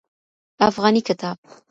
افغاني کتاب